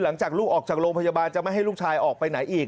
หลังจากลูกออกจากโรงพยาบาลจะไม่ให้ลูกชายออกไปไหนอีก